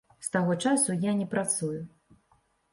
З таго часу я не працую.